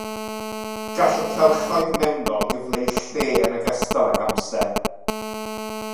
Gall y cylchoedd mewnol gyfleu lle yn ogystal ag amser.